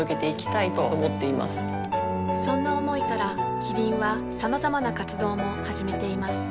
そんな思いからキリンはさまざまな活動も始めています